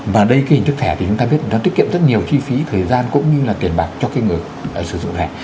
và đây cái hình thức thẻ thì chúng ta biết nó tiết kiệm rất nhiều chi phí thời gian cũng như là tiền bạc cho cái người sử dụng thẻ